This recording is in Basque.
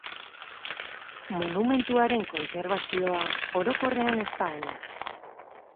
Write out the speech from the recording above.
Monumentuaren kontserbazioa, orokorrean, ez da ona.